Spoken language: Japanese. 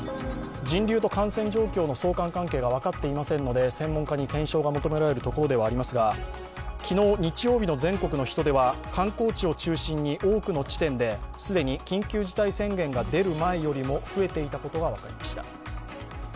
人流と感染状況の相関関係が分かっていませんので専門家に検証が求められるところではありますが、昨日、日曜日の全国の人出は観光地を中心に多くの地点で既に緊急事態宣言が出る前よりも増えていたことが分かりました。